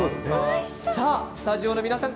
さあ、スタジオの皆さん